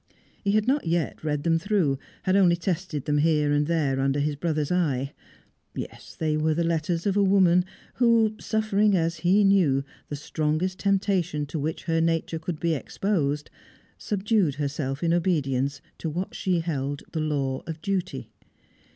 He had not yet read them through; had only tested them here and there under his brother's eye. Yes, they were the letters of a woman, who, suffering (as he knew) the strongest temptation to which her nature could be exposed, subdued herself in obedience to what she held the law of duty.